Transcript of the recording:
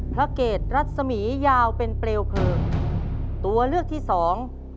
เกรดรัศมียาวเป็นเปลวเพลิงตัวเลือกที่สอง